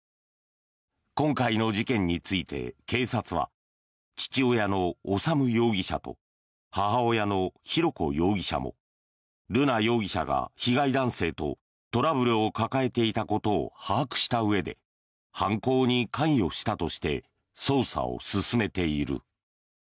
今回の事件について警察は父親の修容疑者と母親の浩子容疑者も瑠奈容疑者が被害男性とトラブルを抱えていたことを把握したうえで犯行に関与したとして捜査を進めている。